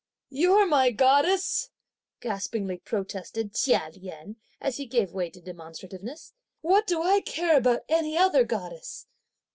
"You're my goddess!" gaspingly protested Chia Lien, as he gave way to demonstrativeness; "what do I care about any other goddess!"